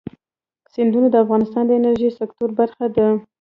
سیندونه د افغانستان د انرژۍ سکتور برخه ده.